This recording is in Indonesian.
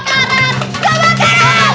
gendong gak bakaran